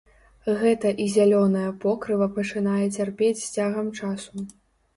Гэта і зялёнае покрыва пачынае цярпець з цягам часу.